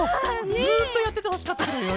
ずっとやっててほしかったケロよ。